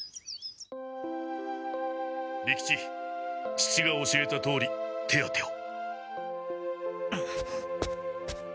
父が教えたとおり手当てを。